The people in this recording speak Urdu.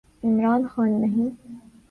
عمران خان نہیں۔